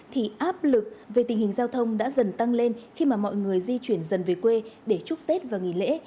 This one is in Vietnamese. thì áp lực về tình hình giao thông đã dần tăng lên khi mà mọi người di chuyển dần về quê để chúc tết và nghỉ lễ